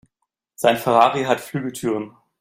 Sein Ferrari hat Flügeltüren.